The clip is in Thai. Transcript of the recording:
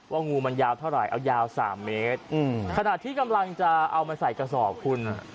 งูมันยาวเท่าไหร่เอายาวสามเมตรอืมขณะที่กำลังจะเอามาใส่กระสอบคุณ